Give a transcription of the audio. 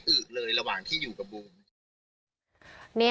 คือตอนนั้นหมากกว่าอะไรอย่างเงี้ย